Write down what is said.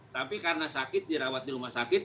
tapi karena sakit dirawat di rumah sakit